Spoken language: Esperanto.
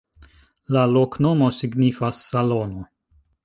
La loknomo signifas: salono.